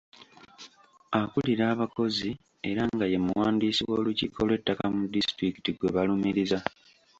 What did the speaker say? Akulira abakozi era nga ye muwandiisi w’olukiiko lw’ettaka mu disitulikiti gwe balumiriza.